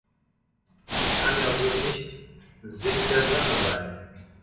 Das kann ja wohl nicht Sinn der Sache sein!